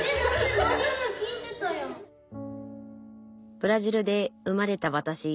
ブラジルで生まれたわたし。